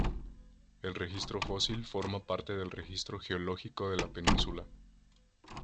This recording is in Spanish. El registro fósil forma parte del registro geológico de la península.